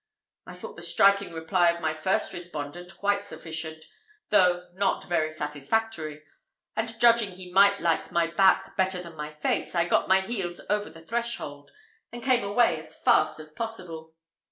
I thought the striking reply of my first respondent quite sufficient, though not very satisfactory; and, judging he might like my back better than my face, I got my heels over the threshold, and came away as fast as possible.